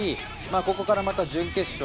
ここからまた準決勝